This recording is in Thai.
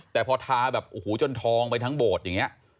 แต่พอทาแบบโอ้โหจนทองไปทั้งโบสถ์อย่างนี้